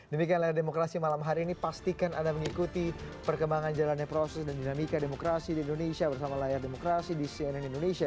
demikian layar demokrasi malam hari ini pastikan anda mengikuti perkembangan jalannya proses dan dinamika demokrasi di indonesia bersama layar demokrasi di cnn indonesia